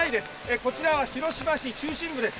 こちらは広島市中心部です。